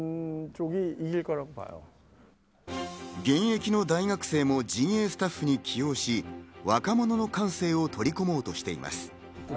現役の大学生も陣営スタッフに起用し、若者の感性を取り込もうとしています。